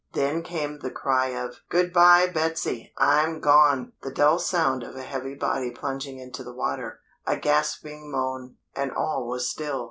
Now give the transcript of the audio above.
Then came the cry of "Good bye, Betsy, I'm gone!" The dull sound of a heavy body plunging into the water a gasping moan, and all was still.